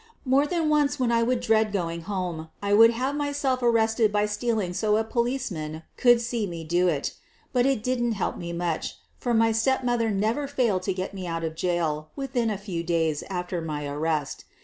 More than once when I would dread going home I would have myself arrested by stealing so a police man could see me do it. But it didn 't help me much, for my stepmother never failed to get me out of jail within a few days after my arrest.